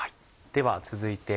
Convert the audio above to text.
では続いて。